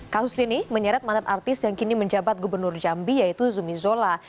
kasus ini menyeret mandat artis yang kini menjabat gubernur jambi yaitu zumi zola